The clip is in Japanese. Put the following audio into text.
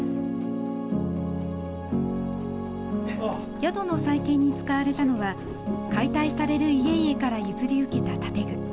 宿の再建に使われたのは解体される家々から譲り受けた建具。